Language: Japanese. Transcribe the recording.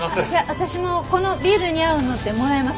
私もこのビールに合うのってもらえます？